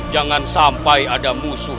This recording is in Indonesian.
jangan sampai ada musuh